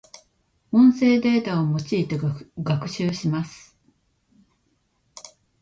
音声データを用いて学習します。